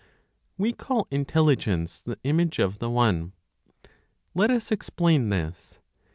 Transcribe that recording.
We call Intelligence the image of the One. Let us explain this.